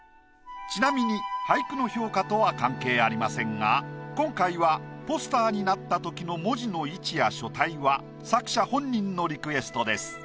ちなみに俳句の評価とは関係ありませんが今回はポスターになったときの文字の位置や書体は作者本人のリクエストです。